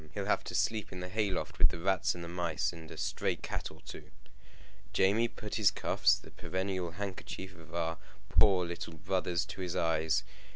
He'll have to sleep in the hay loft with the rats and mice, and a stray cat or two." Jamie put his cuffs, the perennial handkerchief of our poor little brothers, to his eyes.